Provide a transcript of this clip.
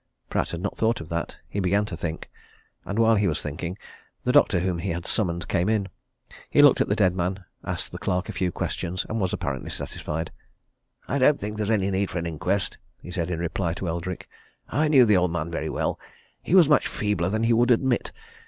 Pratt had not thought of that he began to think. And while he was thinking, the doctor whom he had summoned came in. He looked at the dead man, asked the clerk a few questions, and was apparently satisfied. "I don't think there's any need for an inquest," he said in reply to Eldrick. "I knew the old man very well he was much feebler than he would admit.